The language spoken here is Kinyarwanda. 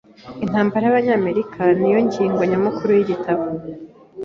Intambara y'Abanyamerika ni yo ngingo nyamukuru y'igitabo.